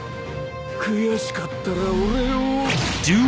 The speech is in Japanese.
悔しかったら俺を。